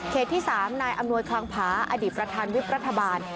ที่๓นายอำนวยคลังผาอดีตประธานวิบรัฐบาล